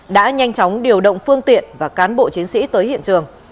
đã nhanh chóng điều động phương tiện và cán bộ chiến sĩ tới hiện trường